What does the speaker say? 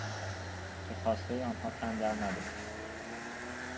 به خواسته آنها تن در ندادیم.